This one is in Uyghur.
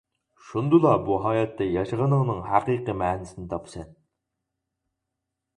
شۇندىلا بۇ ھاياتتا ياشىغىنىڭنىڭ ھەقىقىي مەنىسىنى تاپىسەن.